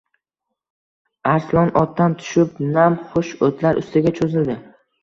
Arslon otdan tushib nam-xush o‘tlar ustiga cho‘zildi.